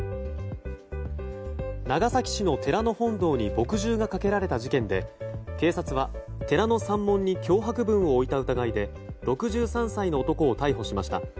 長崎市の寺の本堂に墨汁がかけられた事件で警察は寺の山門に脅迫文を置いた疑いで６３歳の男を逮捕しました。